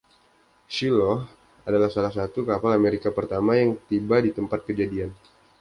"Shiloh" adalah salah satu kapal Amerika pertama yang tiba di tempat kejadian.